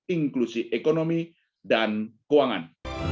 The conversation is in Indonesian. inklusi ekonomi dan keuangan